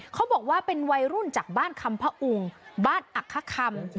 เขาบอกว่าเป็นวัยรุ่นจากบ้านคำพระอุงบ้านอักคคำ